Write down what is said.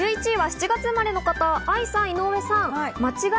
１１位は７月生まれの方、愛さん、井上さんです。